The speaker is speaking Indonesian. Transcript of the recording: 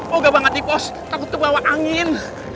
poga banget di pos takut dibawa angin